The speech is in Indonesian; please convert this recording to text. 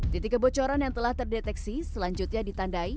titik kebocoran yang telah terdeteksi selanjutnya ditandai